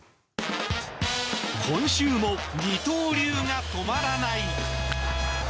今週も二刀流が止まらない！